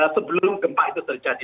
sebelum gempa itu terjadi